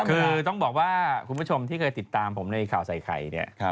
คือต้องบอกว่าคุณผู้ชมที่เคยติดตามผมในข่าวใส่ไข่เนี่ย